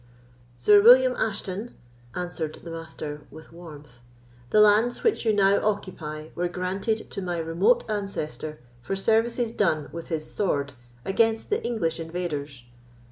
"Sir William Ashton," answered the Master, with warmth, "the lands which you now occupy were granted to my remote ancestor for services done with his sword against the English invaders.